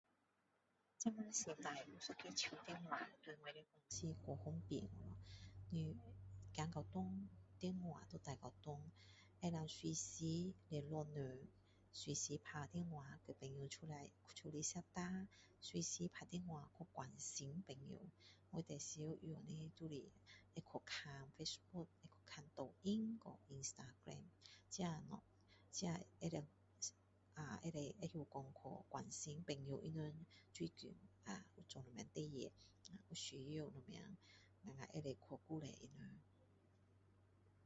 现在世界有个手电是在太方便喔你走到哪里电话就带到哪里可以随时联络人随时打电话叫朋友出来喝茶随时打电话关心朋友我最常用的就是会去看Facebook 会去看抖音会去instagram 这些东西这些可以知道说关心朋友他们最近啊有做什么事情需要什么我们可以去鼓励他们